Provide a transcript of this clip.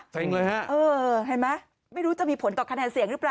เลยฮะเออเห็นไหมไม่รู้จะมีผลต่อคะแนนเสียงหรือเปล่า